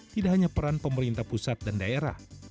tidak hanya peran pemerintah pusat dan daerah